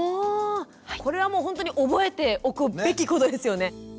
これはもうほんとに覚えておくべきことですよね。